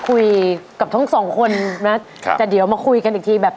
สวัสดีครับ